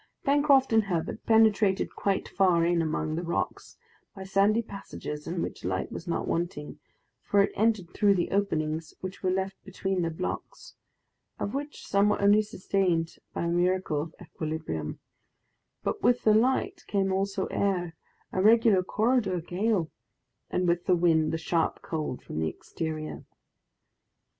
Pencroft and Herbert penetrated quite far in among the rocks, by sandy passages in which light was not wanting, for it entered through the openings which were left between the blocks, of which some were only sustained by a miracle of equilibrium; but with the light came also air a regular corridor gale and with the wind the sharp cold from the exterior.